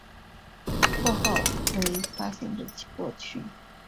括号为发行日期过去